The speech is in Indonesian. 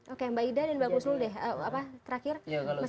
oke mbah ida dan mbah husnul deh